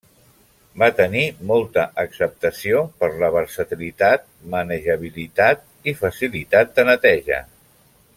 Va tenir molta acceptació per la versatilitat, manejabilitat i facilitat de neteja.